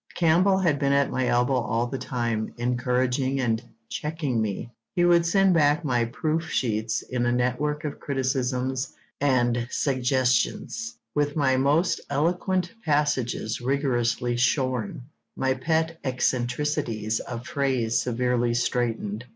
Campbell had been at my elbow all the time, encouraging and checking me; he would send back my proof sheets in a network of criticisms and suggestions, with my most eloquent passages rigorously shorn, my pet eccentricities of phrase severely straightened.